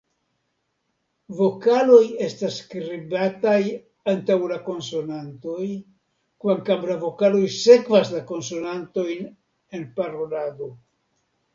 Vokaloj estas skribataj antaŭ la konsonantoj, kvankam la vokaloj sekvas la konsonantojn en parolado.